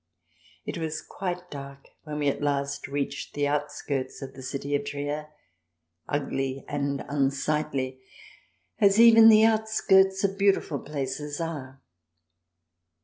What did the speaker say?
It was quite dark when we at last reached the outskirts of the town of Trier, ugly and unsightly, as even the outskirts of beautiful places are.